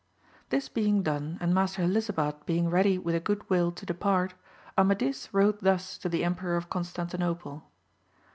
This being done and Master Helisabad being ready with a good will to depart, Amadis wrote thus to the Emperor of Constantinople.